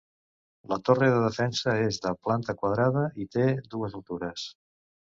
La torre de defensa és de planta quadrada i té dues altures.